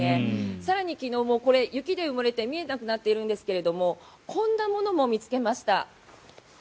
更に、昨日雪で埋もれて見えなくなっているんですがこんなものも見つけました。